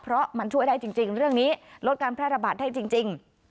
เพราะมันช่วยได้จริงเรื่องนี้ลดการแพร่ระบาดได้จริง